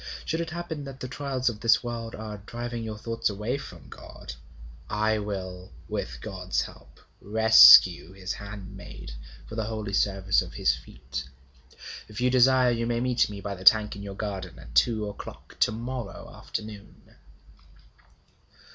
Should it happen that the trials of this world are driving your thoughts away from God, I will with God's help rescue his handmaid for the holy service of his feet. If you desire, you may meet me by the tank in your garden at two o'clock to morrow afternoon.'